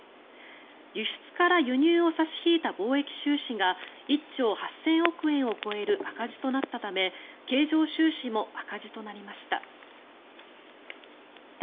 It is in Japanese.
輸出から輸入を差し引いた貿易収支が１兆８０００億円を超える赤字となったため経常収支も赤字となりました。